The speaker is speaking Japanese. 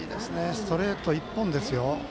ストレート、一本ですよ。